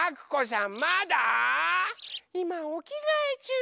いまおきがえちゅう。